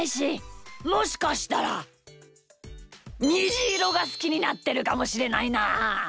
もしかしたらにじいろがすきになってるかもしれないなあ。